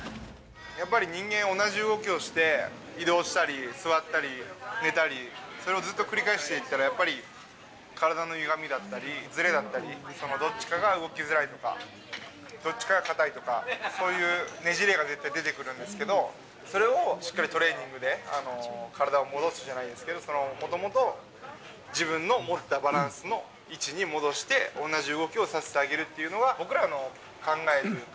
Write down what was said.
やっぱり人間、同じ動きをして、移動したり、座ったり、寝たり、それをずっと繰り返していったら、やっぱり体のゆがみだったり、ずれだったり、どっちかが動きづらいとか、どっちかが硬いとか、そういうねじれが絶対出てくるんですけど、それをしっかりトレーニングで、体を戻すじゃないですけど、そのもともと自分の持ってたバランスの位置に戻して、同じ動きをさせてあげるっていうのは、僕らの考えというか。